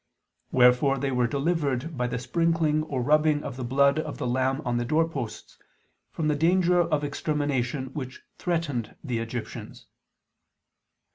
Wherefore they were delivered by the sprinkling or rubbing of the blood of the lamb on the door posts, from the danger of extermination which threatened the Egyptians.